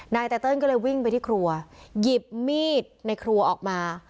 ไตเติลก็เลยวิ่งไปที่ครัวหยิบมีดในครัวออกมา